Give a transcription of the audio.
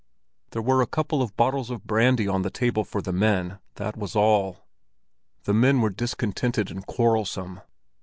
There were a couple of bottles of brandy on the table for the men, that was all. The men were discontented and quarrelsome.